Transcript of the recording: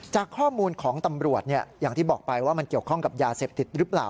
จากข้อมูลของตำรวจอย่างที่บอกไปว่ามันเกี่ยวข้องกับยาเสพติดหรือเปล่า